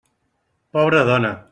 Pobra dona!